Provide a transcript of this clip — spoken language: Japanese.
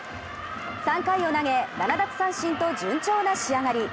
３回を投げ７奪三振と順調な仕上がり。